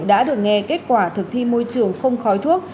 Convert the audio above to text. đã được nghe kết quả thực thi môi trường không khói thuốc